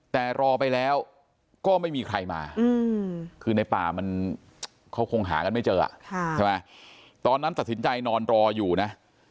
แต่รอไปแล้วก็ไม่มีใครมาคือในป่ามันเขาคงหากันไม่เจออ่ะ